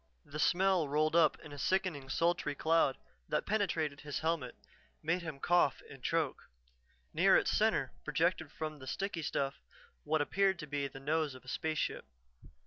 The smell rolled up in a sickening, sultry cloud that penetrated his helmet, made him cough and choke. Near its center projected from the sticky stuff what appeared to be the nose of a spaceship.